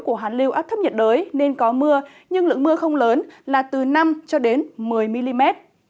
của hàn lưu áp thấp nhiệt đới nên có mưa nhưng lượng mưa không lớn là từ năm cho đến một mươi mm